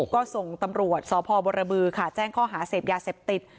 ก็ส่งตำรวจสพบรบือค่ะแจ้งข้อหาเสพยาเสพติด